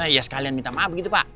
ya sekalian minta maaf begitu pak